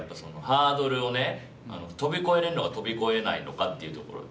ハードルをね跳び越えられるのか跳び越えないのかっていうところ。